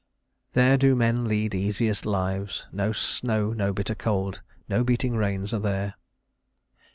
"There do men lead easiest lives. No snow, no bitter cold, no beating rains are there."